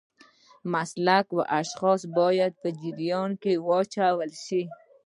مسلکي اشخاص باید په جریان کې واچول شي.